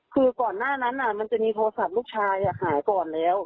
คือก่อนหน้านั้นมันจะมีโทรศัพท์ลูกชายหายก่อนแล้ว